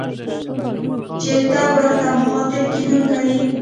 چي ته ورته مخاطب کېدونکی يې